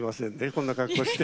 こんな格好して。